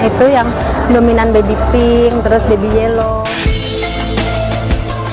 itu yang dominan baby pink terus baby yellow